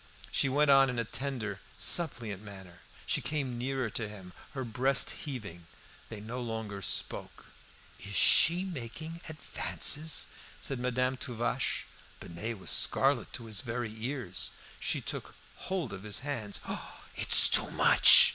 She went on in a tender, suppliant manner. She came nearer to him, her breast heaving; they no longer spoke. "Is she making him advances?" said Madame Tuvache. Binet was scarlet to his very ears. She took hold of his hands. "Oh, it's too much!"